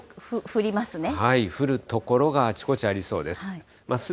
降る所があちこちありそうです。